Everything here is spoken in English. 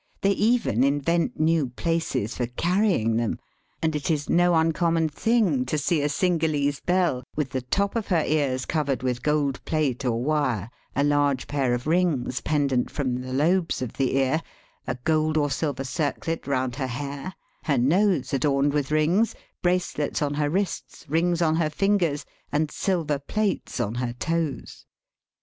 They even invent new places for carrying them, and it is no uncommon thing to see a Cingalese belle with the top of her ears covered with gold plate or wire, a large pair of rings pendant Digitized by VjOOQIC THE ISLE OP SPICY BBEEZES. 147 from the lobes of the ear, a gold or silver circlet round her hair, her nose adorned with rings, bracelets on her wrists, rings on her fingers, and silver plates on her toes.